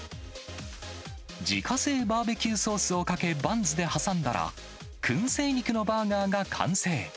自家製バーベキューソースをかけ、バンズで挟んだら、くん製肉のバーガーが完成。